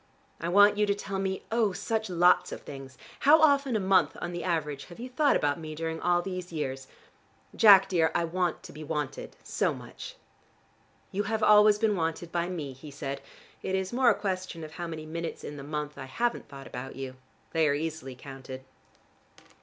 I want you to tell me, oh, such lots of things. How often a month on the average have you thought about me during all these years? Jack, dear, I want to be wanted, so much." "You have always been wanted by me," he said. "It is more a question of how many minutes in the month I haven't thought about you. They are easily counted."